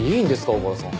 小原さん。